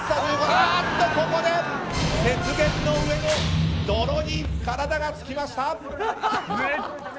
ここで、雪原の上で泥に体がつきました！